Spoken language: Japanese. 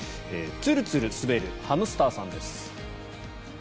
ツルツル滑るハムスターさんです。